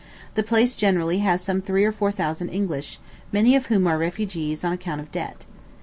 The place generally has some three or four thousand English, many of whom are refugees on account of debt.